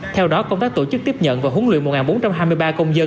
theo đó công tác tổ chức tiếp nhận và huấn luyện một bốn trăm hai mươi ba công dân